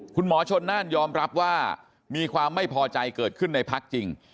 คุณหมอชนน่านยอมรับว่ามีความไม่พอใจเกิดขึ้นในพักจริง